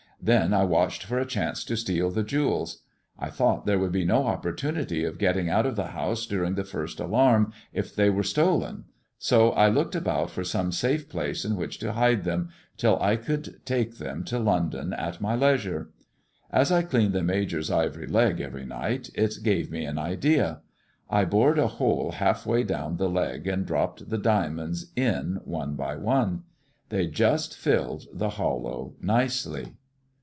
Then I watched for a chance to steal the jewels. I thought there would be no opportunity of getting out of the house during the first alarm if they were stolen, so I looked about for some safe place in which to hide them till I could take them to London at my leisur& As I cleaned the Major's ivory leg every night, it gave me an idea. I bored a hole half way down the leg and dropped the diamonds in one by one. They just filled the hollow nicely."